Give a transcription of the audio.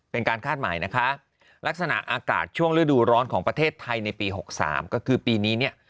คาดหมายนะคะลักษณะอากาศช่วงฤดูร้อนของประเทศไทยในปี๖๓ก็คือปีนี้เนี่ย